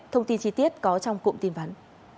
thông tin chi tiết có trong cụm tin vắn